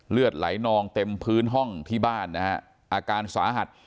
เลือดไหลนองเต็มพื้นห้องที่บ้านนะฮะอาการสาหัส